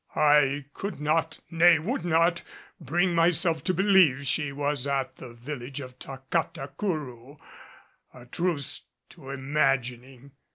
I could not nay, would not, bring myself to believe she was at the village of Tacatacourou. A truce to imagining!